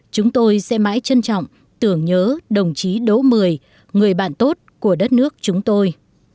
chúng tôi sẽ mãi trân trọng tưởng nhớ đồng chí đỗ mười người bạn tốt của đất nước chúng tôi